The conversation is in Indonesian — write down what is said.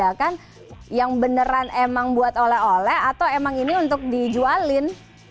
apa yang membedakan yang beneran emang buat oleh oleh atau emang ini untuk dijualin